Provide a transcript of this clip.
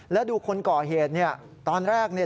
แล้วดูคนก่อเหตุเนี่ยตอนแรกเนี่ย